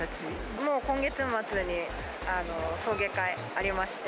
もう今月末に送迎会ありまし